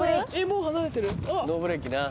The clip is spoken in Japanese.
もう離れてる？